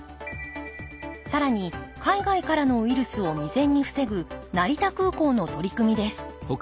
更に海外からのウイルスを未然に防ぐ成田空港の取り組みです